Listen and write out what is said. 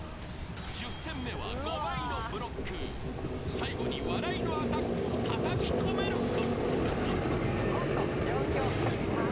［最後に笑いのアタックをたたきこめるか？］